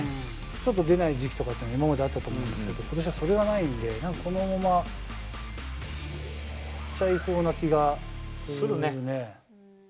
ちょっと出ない時期とかって今まであったと思うけど、ことしはそれがないんで、なんかこのままいっちゃいそうな気がするね。